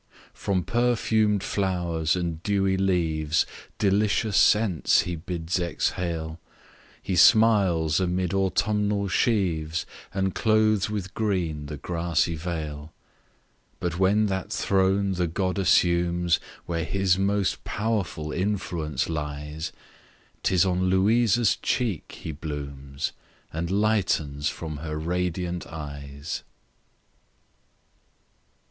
III. From perfumed flowers and dewy leaves Delicious scents he bids exhale, He smiles amid autumnal sheaves, And clothes with green the grassy vale; But when that throne the god assumes Where his most powerful influence lies, 'Tis on Louisa's cheek he blooms, And lightens from her radiant eyes!